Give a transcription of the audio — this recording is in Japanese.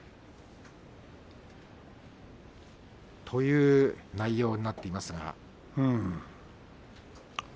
という内容になっていますが。